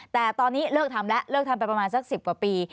แต่ตอนนี้เลิกทำแล้วเลิกทำไปประมาณสัก๑๐กว่าปี